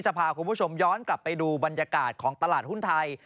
พาคุณผู้ชมย้อนกลับไปดูบรรยากาศของตลาดหุ้นไทย